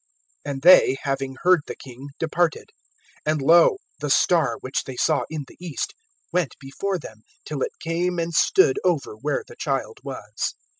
(9)And they, having heard the king, departed; and lo, the star, which they saw in the east, went before them, till it came and stood over where the child was.